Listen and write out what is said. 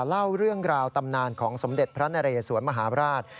เล่าเรื่องราวตำนานของสมเด็จพระนเรสวนมหาราช